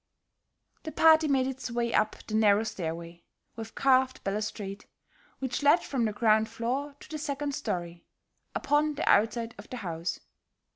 The party made its way up the narrow stairway with carved balustrade, which led from the ground floor to the second story, upon the outside of the house.